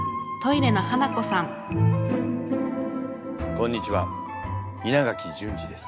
こんにちは稲垣淳二です。